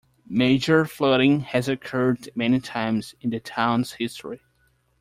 Major flooding has occurred many times in the town's history.